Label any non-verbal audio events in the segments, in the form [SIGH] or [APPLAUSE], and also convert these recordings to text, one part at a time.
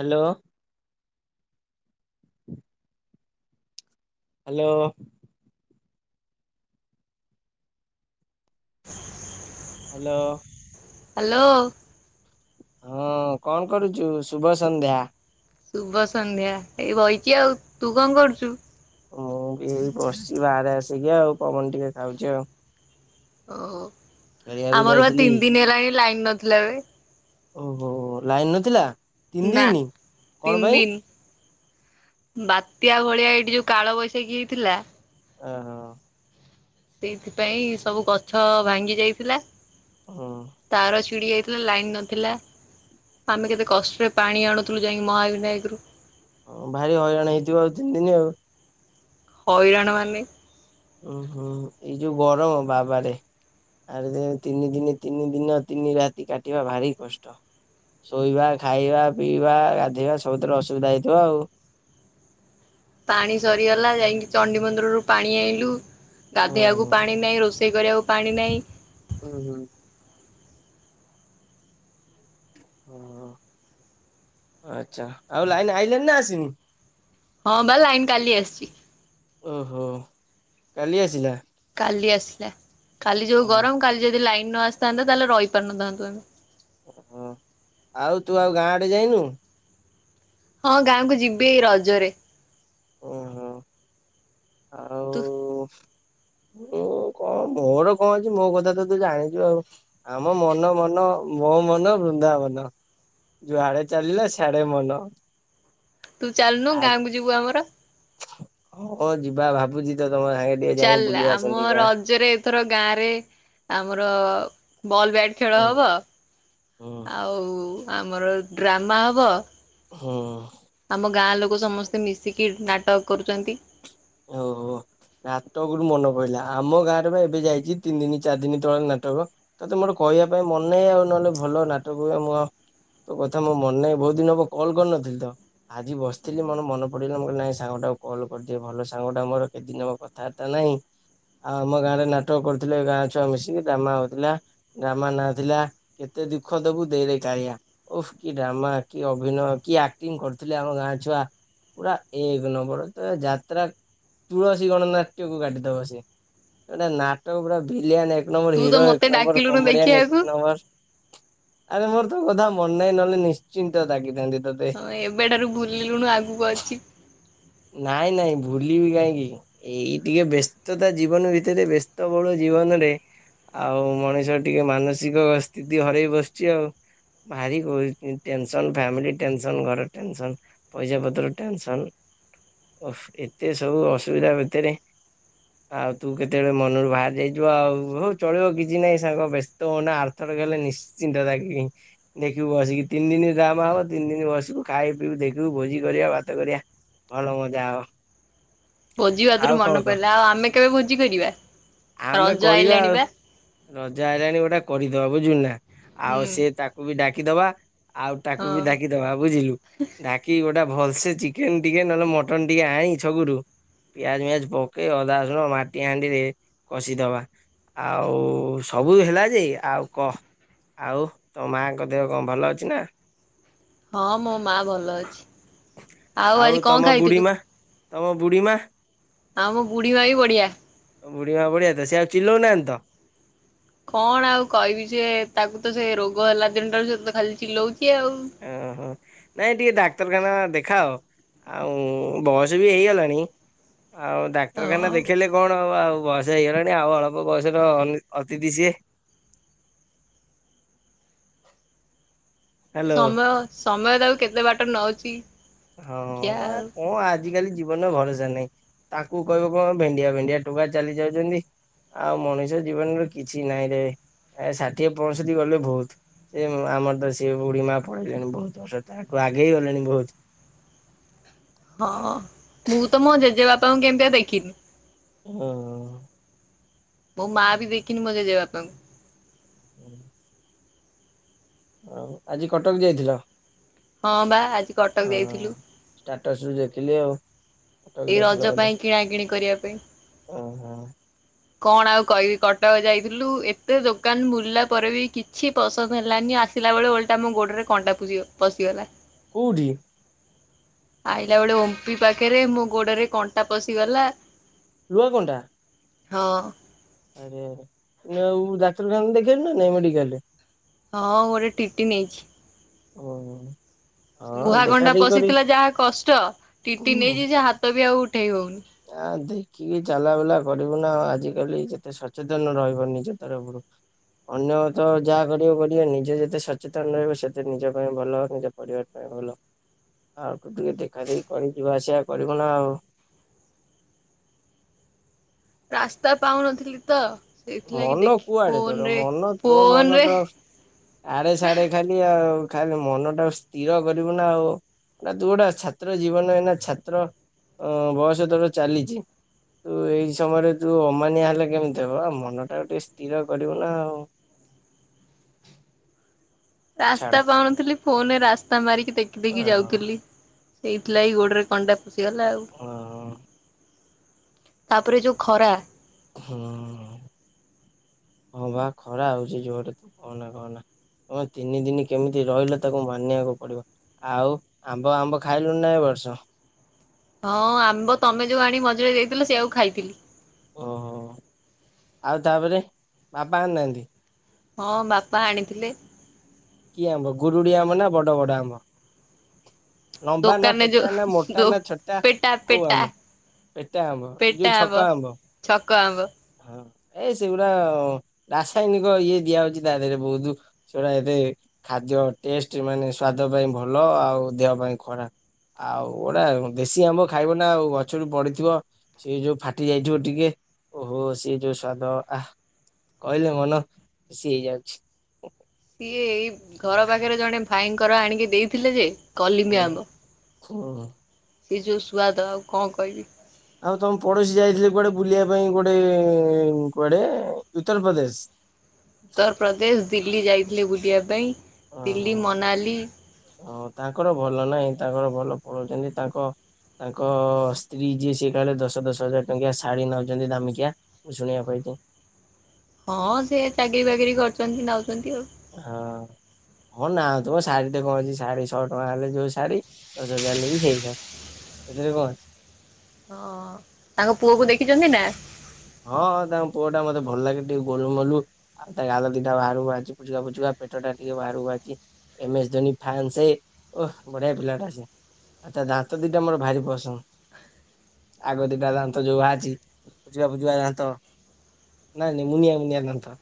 Hello. Hello. [INAUDIBLE] Hello. Hello. ହଁ କଣ କରୁଚୁ ଶୁଭ ସନ୍ଧ୍ୟା। ଶୁଭ ସନ୍ଧ୍ୟା ଏଇ ବଇଚି ଆଉ ତୁ କଣ କରୁଚୁ? ମୁଁ ବି ଏଇ ବସିଚି ବାହାରେ ଆସିକି ଆଉ ପବନ ଟିକେ ଖାଉଚି ଆଉ। ଓ ହୋ ଖେଳିବାକୁ ଆମର ଆଉ ଯାଇଥିଲି। ତିନି ଦିନି ହେଲାଣି ଲାଇନ ନଥିଲା ବେ। ଓହୋ ଲାଇନ ନଥିଲା ତିନି ନା। ଦିନ କଣ ତିନି ପାଇଁ? ଦିନ ବାତ୍ୟା ଭଳିଆ ଏଇଠି ଯୋଉ କାଳ ବୈଶାଖୀ ହେଇଥିଲା ଓ ହୋ। ସେଇଥିପାଇଁ ସବୁ ଗଛ ଭାଙ୍ଗି ଯାଇଥିଲା। ହୁଁ। ତାର ଚିଡି ଯାଇଥିଲା ଲାଇନ ନଥିଲା ଆମେ କେତେ କଷ୍ଟରେ ପାଣି ଆଣୁ [UNINTELLIGIBLE] ଯାଇ ମହା ବିିନାୟକରୁ। ହଁ ଭାରି ହଇରାଣ ହେଇଥିବ ଆଉ ତିନି ଦିନି ଆଉ। ହଉରାଣ ମାନେ ଉଁ ହୁଁ ଏଇ ଯୋଉ ଗରମ ବାବାରେ। ଆରେ ତିନି ଦିନ ତିନି ଦିନ ତିନି ରାତି କାଟିବା ଭାରି କଷ୍ଟ। ଶୋଇବା ଖାଇବା ପିଇବା ଗାଧେଇବା ସବୁଥିରେ ଅସୁବିଧା ହେଇଥିବ ଆଉ। ପାଣି ସରିଗଲା ଯାଇକି ଚଣ୍ଡି ମନ୍ଦିରରୁ ପାଣି ଆଇଁଲୁ ଗାଧେଇବାକୁ ଓହୋ ପାଣି ନାଇଁ ରୋଷେଇ ରୋସେଇ କରିବାକୁ ପାଣି ନାଇଁ। ହୁଁ ହୁଁ। ଓହୋ ଆଚ୍ଛା ଆଉ ଲାଇନ ଆଇଲାଣି ନା ଆସିନି? ହଁ ବା ଲାଇନ କାଲି ଆସିଛି। ଓହୋ କାଲି ଆସିଲା? କାଲି ଆସିଲା କାଲି ଯେଉଁ ଗରମ କାଲି ଯଦି ଲାଇନ୍ ନ ଆସିଥାନ୍ତା ତାହେଲେ ରହିପାରିନଥାନ୍ତୁ। ହୁଁ ଆଉ ତୁ ଆଉ ଗାଁ ଆଡେ ଯାଇନୁ? ହଁ ଗାଁକୁ ଯିବି ରଜରେ। ଓହୋ। ତୁ। ଉଁ କଣ ମୋର କଣ ଅଛି ମୋ କଥା ତ ତୁ ଜାଣିଛୁ ଆଉ। ଆମ ମନ ମନ ମୋ ମନ ବୃନ୍ଦାବନ। ଯୁଆଡେ ଚାଲିଲା ସିଆଡେ ମନ। ତୁ ଚାଲୁନୁ ଆ ଗାଁକୁ ଯିବୁ ଆମର। ହଁ ଯିବା ଭାବୁଛି ତ ତମ ସାଙ୍ଗେ ଟିକେ ଯାଇି ବୁଲି ଆସ। ମ ରଜରେ ଏଥର ଗାଁ ରେ ଆମର ବଲ ବ୍ୟାଟ। ଖେଳ ହୁଁ ହେବ ହୁଁ ଆଉ ଆମର ଡ୍ରାମା ହେବ। ହୁଁ। ଆମ ଗାଁ ଲୋକ ସମସ୍ତେ ମିଶିକି ନାଟକ କରୁଛନ୍ତି। ଓ ହୋ। ନାଟକରୁୁ ମନେ ପହିଲା ଆମ ଗାଁ ରେ ବା ଏବେ ଯାଇଛି ତିନି ଦିନ ଚାରି ଦିନ ତଳେ ନାଟକ। ତତେ ମୋର କହିବା ପାଇଁ ମନେ ଆଉ ନହେଲେ ଭଲ ନାଟକ ମୁ ଆଉ। ତୋ କଥା ମୋ ମନେ ନାହିଁ ବହୁତ ଦିନ ହବ କଲ୍ କରିନଥିଲି ତ। ଆଜି ବସିଥିଲି ମୋର ମନ ପଡିଗଲା ନାଇଁ ସାଙ୍ଗ ଟାକୁ କଲ କରିଦିଏ ଭଲ ସେ ସାଙ୍ଗଟା ମୋର କିଛିଦିନ କଥାବାର୍ତ୍ତା ନାହିଁ। ଆଉ ଆମ ଗାଁ ରେ ନାଟକ କରୁଥିଲେ ଗାଁ ଛୁଆ ମିଶିକି ଡ୍ରମା ହଉଥିଲା। ଡ୍ରମା ନା ଥିଲା କେତେ ଦୁଃଖ ଦବୁ ଦେରେ କାଳିଆ। ଓହେ କି ଡ୍ରାମା କି ଅଭିନୟ କିଏ ଆକ୍ଟିଂ କରୁଥିଲେ ଆମ ଗାଁ ଛୁଆ। ପୁରା ଏକ ନମ୍ବର ତ ଯାତ୍ରା ତୁଳସୀ ଗଣନାଟ୍ୟ କୁ କାଟିଦବ ସେ ନାଟକ ପୁରା ଭିଲିଆନ। ଏକ ତୁ ନମ୍ବର ତ ହିରୋ ମତେ ଏକ ନମ୍ବର ଡାକିଲୁନୁ କମେଡିଆନ୍ ଦେଖିବାକୁ। ଏକ ନମ୍ବର। ଆରେ ମୋର ତୋ କଥା ମନେ ନାହିଁ ନିଶ୍ଚିନ୍ତ ଡାକି ଥାନ୍ତି ତୋତେ। ହଁ ଏବେଠାରୁ ଭୁଲିଲୁଣୁ ଆଗକୁ ଅଛି। ନାଇଁ ନାଇଁ ଭୁଲିବି କାହିଁକି। ଏଇ ଟିକେ ବ୍ୟସ୍ତତା ଜୀବନ ଭିତରେ ବ୍ୟସ୍ତ ବହୁଳ ଜୀବନରେ ଆଉ ମଣିଷ ଟିକେ ମାନସିକ ସ୍ଥିତି ହରେଇ ବସିଛି ଆଉ। ଭାରି [UNINTELLIGIBLE] ଟେନସନ ଫାମିଲି ଟେନସନ ଘର ଟେନସନ। ପଇସା ପତ୍ର ଟେନସନ। ଓଫ ଏତେ ସବୁ ଅସୁବିଧା ଭିତରେ ଆଉ ତୁ କେତେବେଳେ ମନରୁ ବାହାରି ଯାଇଛୁ ଆଉ ହଉ ଚଳିବ କିଛି ନାହିଁ ସାଙ୍ଗ ବେଶ ତୁ ଅନା ଆରଥର ଗଲେ ନିଶ୍ଚିତ ରାଗିବି। ଦେଖିବୁ ବସିକି ତିନି ଦିନ ଡ୍ରାମା ହବ ତିନି ଦିନ ବସିବୁ ଖାଇ ପିଇବୁ ଦେଖିବୁ ଭୋଜି କରିବା ଭାତ କରିବା। ଭଲ ମଜା ହେବ। ଭୋଜି ଭାତରୁ ମନେ ପଡିଲା ଆଉ ଆମେ କେବେ ଭୋଜି କରିବା ଆମେ ରଜ କରିବା ଆଉ ଆଇଲାଣି ପା। ରଜ ଆଇଲାଣି ଗୋଟେ କରିଦବା ବୁଝୁିଲ ନା ଆଉ ହୁଁ। ସେ ତାକୁ ବି ଡାକିଦବା। ଆଉ ତାାକୁ ହଁ ବି ଡାକିଦବା ବୁଝିଲୁ ଡାକିକି ଗୋଟେ ଭଲସେ ଚିକେନ ଚିକେନ ଟିକେ ନହେଲେ ମଟନ ଟିକେ ଆଣି ଛକରୁ। ପିଆଜ ମିଆଜ ପକେଇ ଅଦା ରସୁଣ ମାଟି ହାଣ୍ଡିରେ କଷିଦବା। ଆଉ ସବୁ ହେଲା ଯେ ଆଉ କହ ଆଉ ତମ ମାଆଙ୍କ ଦେହ କଣ ଭଲ ଅଛି ନା। ହଁ ମୋ ମା ଭଲ ଅଛି ଆଉ ଆଜି କଁ ତମ ବୁଢୀ ଖାଇଥିଲୁ। ମା ତମ ବୁଢ଼ୀମା। ଆଉ ମୋ ବୁଢୀ ମା ବି ବଢିଆ। ତମ ବୁଢୀ ମା ବଢିଆ ତ ସେ ଆଉ ଚିଲଉନାହାନ୍ତି ତ। କଣ ଆଉ କହିବି ସିଏ ତାକୁ ତ ସେ ରୋଗ ହେଲା ଦିନଟାରୁ ସେ ତ ଖାଲି ଚିଲଉଛି ଆଉ। ଓହୋ ନାଇଁ ଟିକେ ଡାକ୍ତରଖାନା ଦେଖାଅ। ଆଉ ବୟସ ବି ହେଇଗଲାଣି ଆଉ ଡା ଡାକ୍ତରଖାନା ହଁ ରେ ଦେଖେଇଲେ କଣ ହବ ଆଉ ଆଉ ବୟସ ହେଇଗଲାଣି ଆଉ ଅଳପ ବୟସର ଅନି ଅତିଥି ସିଏ। ଏ ହ୍ୟାଲୋ। ସମୟ ସମୟ ତାକୁ କେତେ ବାଟ ନଉଛି। ହଁ ଖିଆ ମ ଏ‌ ଆଉ। କଁ ଆ ଆଜି କାଲି ଜୀବନର ଭରସା ନାହିଁ ତାଙ୍କୁ କହିବ କଁ ଭେଣ୍ଡିଆ ଭେଣ୍ଡିଆ ଟୋକା ଚାଲି ଯାଉଛନ୍ତି। ଆଉ ମଣିଷ ଜୀବନରେ କିଛି ନାହିଁ ରେ ଏ ଷାଠିଏ ପଁଷଠି ଗଲେ ବହୁତ। ସେ ଆମର ତ ସିଏ ବୁଢି ମା ପଳେଇ ଲେଣି ବହୁତ ବର୍ଷ ତାଠୁ ଆଗେ ବି ଗଲେଣି ବହୁତ। ହଁ ମୁଁ ତ ମୋ ଜେଜେବାପାଙ୍କୁ କେମିତିଆ ଦେଖିନି। ହୁଁ। ମୋ ମା ବି ଦେଖିନି ଜେଜେ ବାପାଙ୍କୁ। ଉଁ ଆଜି କଟକ ଯାଇଥିଲ। ହଁ ବା ଆଜି କଟକ ଯାଇଥିଲୁ। ଷ୍ଟାଟସ୍ ରୁ ଦେଖିଲି ଆଉ। କଟକ ଏଇ ଯାଇଥିଲ ରଜ ବୋଲି ପାଇଁ କିଣା କିିଣି କରିବା ପାଇଁ। ଓହୋ କଣ ଆଉ କହିବି କଟକ ଯାଇଥିଲୁ ଏତେ ଦୋକାନ ବୁଲିଲା ପରେ ବି କି କିଛି ପସନ୍ଦ ହେଲାନି ଆସିଲା ବଳେ ଓଲଟା ମୋ ଗୋଡରେ କଣ୍ଟା ପୁଶି ପଶିଗଲା। କୋଉଠି। ଆଇଲା ବେଳେ ଓମ୍ପି ପାଖରେ ମୋ ଗୋଡରେ କଣ୍ଟା ପଶିଗଲା। ଲୁହା କଣ୍ଟା। ହଁ। ଆରେ ଆରେ ନା ଆଉ ଡାକ୍ତରଖାନା ରେ ଦେଖେଇ ଲୁ ନା ନାଇଁ ମେଡିକାଲ ରେ। ହଁ ଗୋଟେ ଟିଟି ନେଇଛି। ଓ। ଲୁହା କଣ୍ଟା ପଶିଥିଲା ଯାହା କଷ୍ଟ ଟିଟି ହୁଁ ନେଇଛି ସେ ହାତ ବି ଆଉ ଉଠେଇ ହଉନି। ଆ ଦେଖିକି ଚାଲା ବୁଲା କରିବୁ ନା ଆଜିକାଲି ଯେତେ ସଚେତନ ରହିବ ନିଜ ତରଫରୁ। ଅନ୍ୟ ତ ଯାହା କରିବ କରିବେ ନିଜେ ଯେତେ ସଚେତନ ରହିବ ସେତେ ନିଜ ପାଇଁ ଭଲ ନିଜ ପରିବାର ପାଇଁ। ଭଲ ଆଉ ତୁ ଟିକେ ଦେଖା ଦେଖି କରି ଯିବା ଆସିବା କରିବୁ ନା ଆଉ। ରାସ୍ତା ପାଉନଥିଲି ତ। ସେଇଥିଲାଗି ମନ ଦେଖି କୁଆଡେ ତୋର ଫୋନରେ ମନ ତୋ ମନ ଫୋନରେ ତ ଆଡେ ସାଡେ ଖାଲି। ସେଇଆ ଆଉ ଖାଲି ମନ ଟା ସ୍ଥିର କରିବୁ ନା ଆଉ। ନା ତୁ ଗୋଟା ଛାତ୍ର ଜୀବନ ଏଇନା ଛାତ୍ର ଅ ବୟସ ତୋର ଚାଲିଛି। ତୁ ଏଇ ସମୟରେ ତୁ ଅମାନିଆ ହେଲେ କେମିତି ହବ ଆ ମନ ଟା ଟିକେ ସ୍ଥିର କରିବୁ ନା ଆଉ। ଛାଡ। ରାସ୍ତା ପାଉନଥିଲି ଫୋନରେ ରାସ୍ତା ମାରିକି ଦେଖି ଅ ଦେଖି ଯାଉଥିଲି। ସେଇଥିଲାଗି ଗୋଡରେ କଣ୍ଟା ପଷିଗଲା ଆଉ। ହଁ ତାପରେ ଯୋଉ ଖରା। ହୁଁ ହଁ ବା ଖରା ହଉଛି ଯୋରେ ତୁ କହନା କହନା। ଏ ତିନି ଦିନି କେମିତି ରହିଲେ ତାକୁ ମାନିବାକୁ ପଡିବ। ଆଉ ଆମ୍ବ ଆମ୍ବ ଖାଇଲୁଣି ନା ଏ ବର୍ଷ। ହଁ ଆମ୍ବ ତମେ ଯୋଉ ଆଣି ମଝିରେ ଦେଇଥିଲ ସେଇଆକୁ ଖାଇଥିଲି। ଓହୋ ଆଉ ତାପରେ ବାପା ଆଣି ନାହାଁନ୍ତି। ହଁ ବାପା ଆଣିଥିଲେ। କି ଆମ୍ବ ଗୁରୁଡି ଆମ୍ବ ନା ବଡ ବଡ ଆମ୍ବ। ଲାମ୍ବା ନା ଦୋକାନରେ ଯୋଉ ପେଟା ନା ମୋଟା ଦୋ ନା ଛୋଟା ପେଟା କୋଉ ପେଟା ଆମ୍ବ। ପେଟା ଆମ୍ବ ଏ ଯୋଉ ଛକ ଆମ୍ବ। ଛକ ଆମ୍ବ ହଁ ଏ ସେଗୁଡା ରାସାୟନିକ ଇଏ ଦିଆ ହୋଉଛି ତା ଦେହରେ ବହୁତ୍। ସେଟା ଏତେ ଖାଦ୍ୟ ଟେଷ୍ଟ ମାନେ ସ୍ଵାଦ ପାଇଁ ଭଲ ଆଉ ଦେହ ପାଇଁ ଖରାପ। ଆଉ ଗୋଟେ ଦେଶୀ ଆମ୍ବ ଖାଇବ ନା ଆଉ ଗଛରୁୁ ପଡିିଥିବ। ସିଏ ଯୋଉ ଫାଟି ଯାଇଥିବ ଟିକେ ଓହୋ ସିଏ ଯୋଉ ସ୍ଵାଦ ଆଃ। କହିଲେ ମନ ଖୁସି ହେଇଯାଉଛି। ସିଏ ଏଇ ଘର ପାଖରେ ଜଣେ ଭାଇଙ୍କର ଆଣିକି ଦେଇଥିଲେ ଯେ କଲିମି ହୁଁ ଆମ୍ବ ହୁଁ। ସେ ଯୋଉ ସୁଆଦ ଆଉ କଣ କହିବି। ଆଉ ତମ ପଡୋଶୀ ଯାଇଥିଲେ କୁଆଡେ ବୁଲିବା ପାଇଁ ଗୋଟେ କୁଆଡେ ଉତ୍ତରପ୍ରଦେଶ। ଉତ୍ତରପ୍ରଦେଶ ଦିଲ୍ଲୀ ଯାଇଥିଲେ ବୁଲିବା ପାଇଁ ଦିଲ୍ଲୀ ଓହୋ ମନାଲି। ହଁ ତାଙ୍କର ଭଲ ନାଇଁ ତାଙ୍କର ଭଲ ପଳଉଛନ୍ତି ତାଙ୍କ ତାଙ୍କ ସ୍ତ୍ରୀ ଯିଏ ସିଏ କାଳେ ଦଶ ଦଶ ହଜାର ଟଙ୍କିଆ ଶାଢୀ ନଉଚନ୍ତି ଦାମିକିଆ। ମୁଁ ଶୁଣିବାକୁ ପାଇଛି। ହଁ ସେ ଚାକିରିୀ ବାକିରି କରିଛନ୍ତି ନଉଛନ୍ତି ଆଉ। ହଁ। ହଁ ନା ତମ ଶାଢୀ ରେ କଣ ଅଛି ଶାଢ଼ୀ ଶହେ ଟଙ୍କା ହେଲେ ଯୋଉ ଶାଢୀ ଦଶ ହଜାର ହେଲେ ବି ସେଇ ଶାଢୀ। ସେଥିରେ କଣ ଅଛି। ହଁ ତାଙ୍କ ପୁଅକୁ ଦେଖିଚନ୍ତି ନା। ହଁଁ ହଁ ତାଙ୍କ ପୁଅ ଟା ମତେ ଭଲ ଲାଗେ ଟିକେ ଗୋଲୁ ମୋଲୁ। ତା ଗାଲ ଦିଟା ବାହାରୁକୁ ବାହାରିଛି ପୁଚୁକା ପୁଚୁକା ପେଟ ଟା ଟିକେ ବାହାରୁକୁ ବାହାରିଚି। ଏମ୍ ଏସ ଧୋନୀ ଫ୍ୟାନସେ ଓହୋ ବଢ଼ିଆ ପିଲାଟା ସେ। ତା ଦାନ୍ତ ଦିଟା ମୋର ଭାରି ପସନ୍ଦ ଆଗ ଦିଟା ଦାନ୍ତ ଯୋଉ‌ବାହାରିଚି। ପୁ୍ଚୁକା ପୁଚୁରା ଦାନ୍ତ ନାଇଁ ନାଇଁ ମୁନିଆ ମୁନିଆ ଦାନ୍ତ।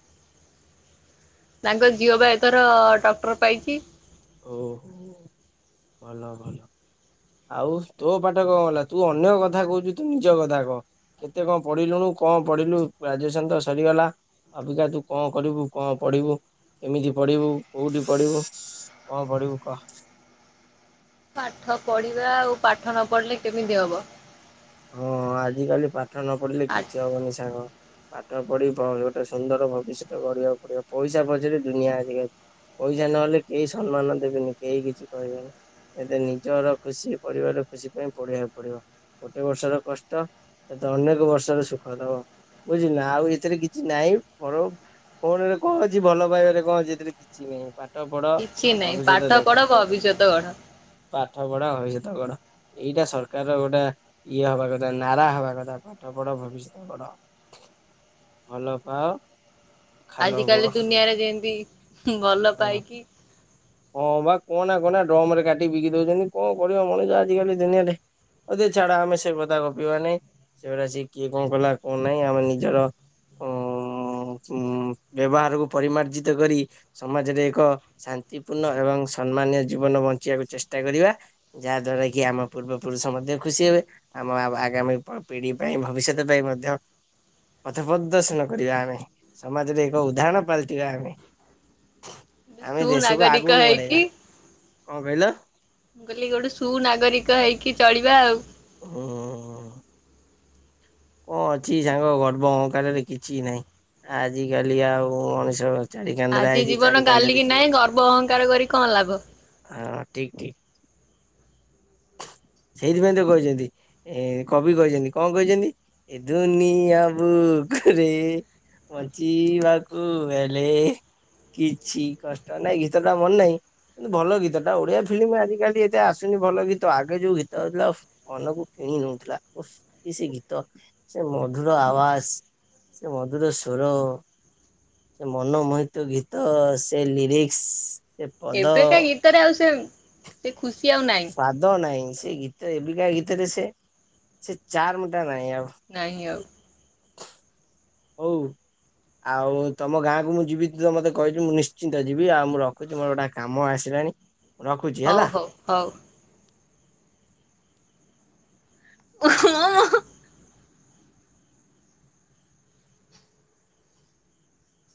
ତାଙ୍କ ଝିଅ ବା ଏଥର ଡକ୍ଟର ପାଇଚି। ଓ ଭଲ ଭଲ। ଆଉ ତୋ ପାଠ କଣ ହେଲା ତୁ ଅନ୍ୟ କଥା କହୁଛୁ ତୁ ନିଜ କଥା କହ। କେତେ କଣ ପଢିଲୁୁଣୁ କଣ ପଢିଲୁ ଗ୍ରାଜୁଏସନ ତ ସରିଗଲା। ଅବିକା ତୁ କଣ କରିବୁ କଣ ପଢ଼ିବୁ କେମିତି ପଢ଼ିବୁ କୋଉଠି ପଢ଼ିବୁ? କଣ ପଢିବୁ କହ? ପାଠ ପଢିବା ଆଉ ପାଠ ନ ପଢିଲେ କେମିତି ହବ। ହଁ ଆଜିିକାଲି ପାଠ ନ ପଢିଲେ ଆ କିଛି ହବନି ସାଙ୍ଗ। ପାଠ ପଢି ଗୋଟେ ସୁନ୍ଦର ଭବିଷ୍ୟତ ଗଢିବାକୁ ପଡିବ ପଇସା ପଛରେ ଦୁନିଆ ଆଗରେ। ପଇସା ନହେଲେ କେହି ସମ୍ମାନ ଦେବେନି କେହି କିଛି କହିବେନି। ଏବେ ନିଜର ଖୁସି ପରିବାର ଖୁସି ପାଇଁ ପଢିବାକୁ ପଡିବ। ଗୋଟେ ବର୍ଷର କଷ୍ଟ ତତେ ଅନେକ ବର୍ଷର ସୁଖ ଦବ। ବୁଝିଲୁନା ଆଉ ଏଥିରେ କିଛି ନାଇଁ‌ ଫ ଫୋନ ରେ କଣ ଅଛି ଭଲ ପାଇବାରେ କଣ ଅଛି ଏଥିରେ କିଛି ନାହିଁ। ପାଠ ପଢ କିଛି ନାହିଁ ପାଠ ଭବିଷ୍ୟତ ଦେଖ। ପଢ ଭବିଷ୍ୟତ ଗଢ ପାଠ ପଢା ଭବିଷ୍ୟତ ଗଢ ଏଇଟା ସରକାର ର ଗୋଟେ ଇଏ ହବା କଥା ନାରା ହବା କଥା ପାଠ ପଢ ଭବିଷ୍ୟତ ଗଢ। ଭଲ ପାଅ ଆଜ ଖାଲ କାଲି ହୁଅ ଦୁନିଆରେ ଯେମତି ଭଲ ପାଇକି ହଁ ବା କହନା କହନା ଡ୍ରମ ରେ କାଟି ବିକି ଦଉଛନ୍ତି କଣ କରିବ ମଣିଷ ଆଜିକାଲି ଦୁନିଆରେ ହଉ ଦେ ଛାଡ ଆମେ ସେ କଥା ଗପିବା ନାଇଁ ସେଉଡା ସେ କିଏ କଣ କଲା କଣ ନାାଇଁ ଆମେ ନିଜର ଉ ଉ ବ୍ୟବହାରକୁ ପରିମାର୍ଜିତ କରି ସମାଜରେ ଏକ ଶାନ୍ତିପୂର୍ଣ୍ଣ ଏବଂ ସମ୍ମାନୀୟ ଜୀବନ ବଞ୍ଚିବାକୁ ଚେଷ୍ଟା କରିବା। ଯାହା ଦ୍ଵାରା କି ଆମ ପୂର୍ବପୁରୁଷ ମଧ୍ୟ ଖୁସି ହେବେ। ଆମ ଆବ୍ ଆଗାମୀ ପ ପିଢି ପାଇଁ ଭବିଷ୍ୟତ ପାଇଁ ମଧ୍ୟ ପଥ ପ୍ରଦର୍ଶନ କରିବା ଆମେ ସମାଜରେ ଏକ ଉଦାହରଣ ପାଲଟିବା ଆମେ। ଆମେ ଦେଶକୁ ସୁନାଗରିକ ଆଗକୁ ହେଇକି ବଢେଇବା, କଣ କହିଲ? ମୁଁ କହିଲି ଗୋଟେ ସୁନାଗରିକ ହେଇକି ଚଳିବା ଆଉ। ହୁଁ ହୁଁ କଣ ଅଛି ସାଙ୍ଗ ଗର୍ବ ଅହଙ୍କାରରେ କିଛି ନାହିଁ, ଆଜିିକାଲି ଆଉ ମଣିଷ ଚାରି କାନ୍ଧରେ ଆଇଛି ଚାରି କାନ୍ଧରେ ଯିବ। ବ ଅହଙ୍କାର କରି କଣ ଲାଭ। ହଁ ଠିକ୍ ଠିକ୍। ସେଇଥିପାଇଁ ତ କହିଛନ୍ତି ଏ କବି କହିଛନ୍ତି କଣ କହିଛନ୍ତି ଏ ଦୁନିଆ ବୁକ ରେ ବଞ୍ଚିବାକୁ ହେଲେ କିଛି କଷ୍ଟ ନାଇଁ ଗୀତ ଟା ମନ ନାହିଁ। ଭଲ ଗୀତଟା ଓଡିଆ ଫିଲ୍ମ ଆଜିିକାଲି ଏତେ ଆସୁନି ଭଲ ଗୀ ତ ଆଗେ ଯୋଉ ଗୀତ ଆଉଥିଲା ଉଫ୍ ମନକୁ କିଣି ନଉଥିଲା ଉଫ୍ କି ସେ ଗୀତ। ସେ ମଧୁର ଆୱାସ ସେ ମଧୁର ସ୍ୱର। ମନମୋହିତ ଗୀତ ସେ ଲିରିକ୍ସ ସେ ପଦ ଏବେକା ଗୀତରେ ଆଉ ସେ ସେ ଖୁସି ଆଉ ନାହିଁ। ତ ନହିଁ ସେ ଗୀତ ଏବିକା ଗୀତରେ ସେ ସେ ଚାରମ୍ ଟା ନାହିଁ ଆଉ। ନାଇଁ ଆଉ। ହଉ। ଆଉ ତମ ଗାଁକୁ ମୁଁ ଯିବି ତ ମତେ କହିିଛ ମୁଁ ନିଶ୍ଚିନ୍ତ ଯିବି ଆଉ ମୁଁ ରଖୁଛି ମୋର ଗୋଟେ କା କାମ ଆସିଲାଣି। ରଖୁଛି ହେଲା। ହଉ ହଉ ହଉ। ଓ [UNINTELLIGIBLE]